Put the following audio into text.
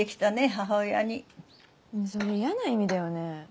母親にそれ嫌な意味だよね